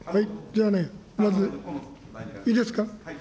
じゃあね、まず、いいですか。